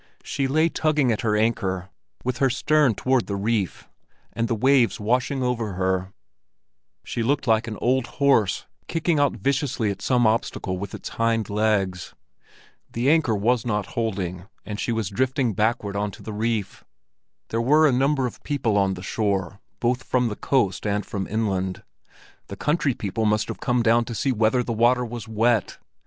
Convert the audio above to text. She lay tugging at her anchor, with her stern toward the reef, and the waves washing over her; she looked like an old horse kicking out viciously at some obstacle with its hind legs. The anchor was not holding, and she was drifting backward on to the reef. There were a number of people on the shore, both from the coast and from inland. The country people must have come down to see whether the water was wet!